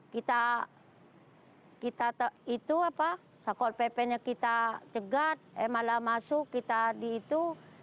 kita itu sakol pp nya kita cegat eh malah masuk kita di itu